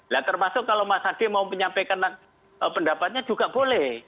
nah termasuk kalau mas hadi mau menyampaikan pendapatnya juga boleh